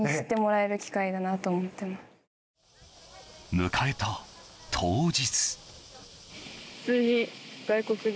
迎えた当日。